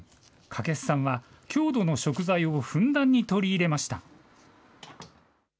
掛須さんは郷土の食材をふんだんに取り入れました。